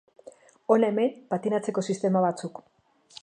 Hona hemen patinatzeko sistema batzuk.